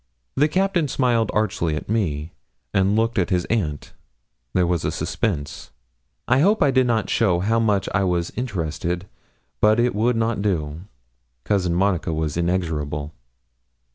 The Captain smiled archly at me, and looked at his aunt. There was a suspense. I hope I did not show how much I was interested but it would not do. Cousin Monica was inexorable.